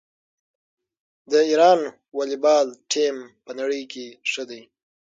د ایران والیبال ټیم په نړۍ کې ښه دی.